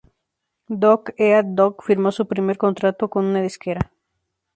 Dog Eat Dog firmó su primer contrato con una disquera.